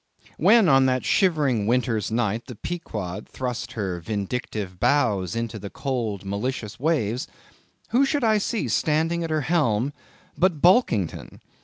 When on that shivering winter's night, the Pequod thrust her vindictive bows into the cold malicious waves, who should I see standing at her helm but Bulkington!